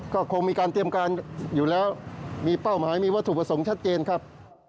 ก็คงมีการเตรียมการอยู่แล้วมีเป้าหมายมีวัตถุประสงค์ชัดเจนครับ